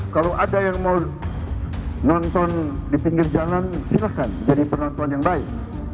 kalau ada yang mau nonton di pinggir jalan silahkan jadi penonton yang baik